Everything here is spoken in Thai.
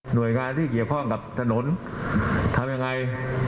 โดยงานที่เกี่ยวข้องกับถนนทำยังไง